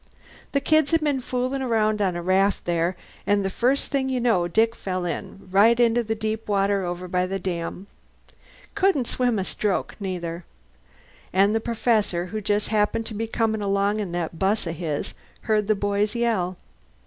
"The kids had been foolin' around on a raft there, an' first thing you know Dick fell in, right into deep water, over by the dam. Couldn't swim a stroke, neither. And the Perfessor, who jest happened to be comin' along in that 'bus of his, heard the boys yell.